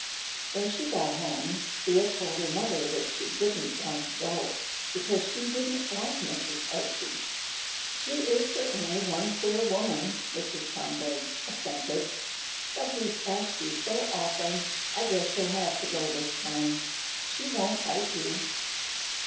When she got home Thea told her mother that she didn't want to go, because she didn't like Mrs. Archie. "She is certainly one queer woman," Mrs. Kronborg assented, "but he's asked you so often, I guess you'll have to go this time. She won't bite you."